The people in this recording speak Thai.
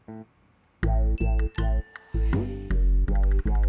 โอ้โหโอ้โหโอ้โห